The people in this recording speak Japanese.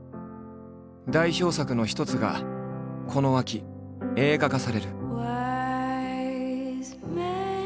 代表作の一つがこの秋映画化される。